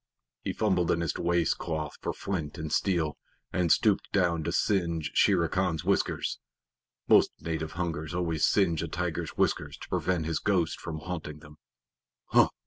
He fumbled in his waist cloth for flint and steel, and stooped down to singe Shere Khan's whiskers. Most native hunters always singe a tiger's whiskers to prevent his ghost from haunting them. "Hum!"